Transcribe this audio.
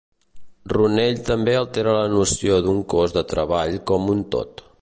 Ronell també altera la noció d'un cos de treball com un tot.